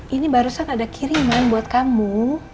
ini barusan ada kiriman buat kamu